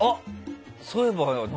そう言えば。